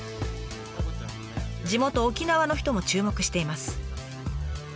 地元沖縄の人も注目しています。